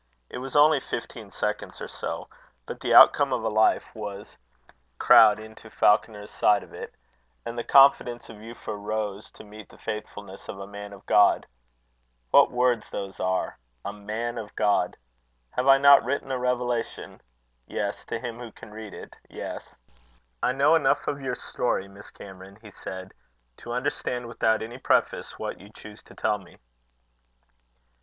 It was only fifteen seconds or so; but the outcome of a life was crowded into Falconer's side of it; and the confidence of Euphra rose to meet the faithfulness of a man of God. What words those are! A man of God! Have I not written a revelation? Yes to him who can read it yes. "I know enough of your story, Miss Cameron," he said, "to understand without any preface what you choose to tell me."